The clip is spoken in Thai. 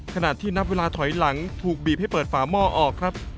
ขณะที่นับเวลาถอยหลังถูกบีบให้เปิดฝาหม้อออกครับ